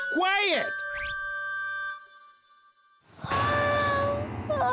ああ！